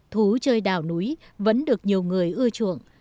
thú chơi đào núi vẫn được nhiều người ưa chuộng